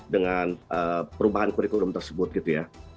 dengan perubahan kurikulum tersebut gitu ya